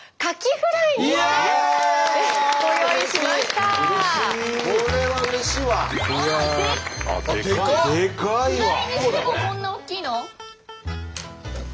フライにしてもこんな大きいの？